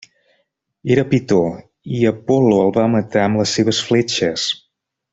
Era Pitó, i Apol·lo el va matar amb les seves fletxes.